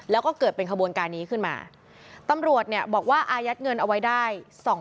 แล้วก็เกิดเป็นขบวนการนี้ขึ้นมาตำรวจเนี่ยบอกว่าอายัดเงินเอาไว้ได้